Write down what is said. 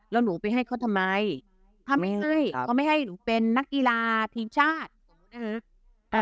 แล้วหนูไปให้เขาทำไมถ้าไม่ให้เขาไม่ให้หนูเป็นนักกีฬาทีมชาตินะคะ